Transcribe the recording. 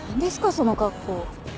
その格好。